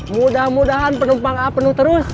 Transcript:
mudah mudahan penumpang a penuh terus